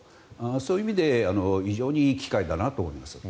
そういう意味で非常にいい機会だなと思います。